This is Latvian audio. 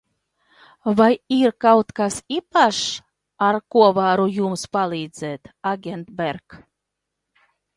Vai ir kaut kas īpašs, ar ko varu jums palīdzēt, aģent Bērk?